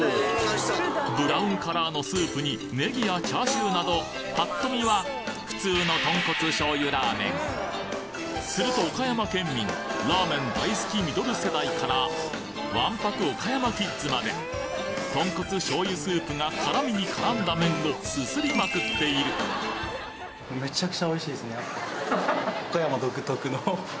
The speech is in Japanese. ブラウンカラーのスープにネギやチャーシューなどパッと見は普通の豚骨醤油ラーメンすると岡山県民ラーメン大好きミドル世代からわんぱく岡山キッズまで豚骨醤油スープが絡みに絡んだ麺をすすりまくっているなに！？